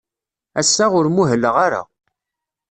Ass-a, ur muhleɣ ara.